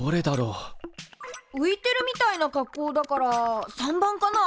ういてるみたいな格好だから③番かな？